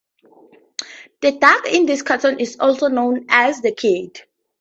The duck in this cartoon is also known as "The Kid".